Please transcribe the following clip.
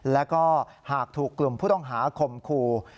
แล้วก็หากถูกกลุ่มผู้ต้องหาคมคู่